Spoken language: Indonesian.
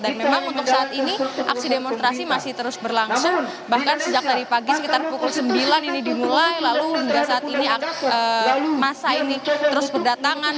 dan memang untuk saat ini aksi demonstrasi masih terus berlangsung bahkan sejak tadi pagi sekitar pukul sembilan ini dimulai lalu hingga saat ini masa ini terus berdatangan